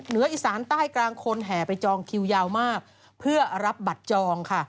เหนืออีสานใต้กลางคนแห่ไปจองคิวยาวมากเพื่อรับบัตรจองค่ะ